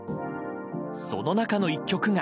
その中の１曲が。